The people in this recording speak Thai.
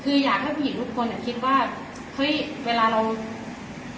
คืออยากให้ผู้หญิงทุกคนอ่ะคิดว่าเฮ้ยเวลาเรา